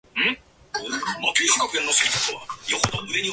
The tower is owned and operated by T-Systems, a subsidiary of Deutsche Telekom.